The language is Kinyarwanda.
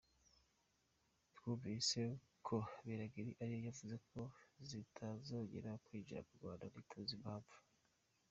Twumvise ko Minagri ariyo yavuze ko zitazongera kwinjira mu Rwanda ntituzi impamvu.